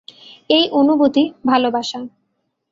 এই অনুভূতি, ভালোবাসা।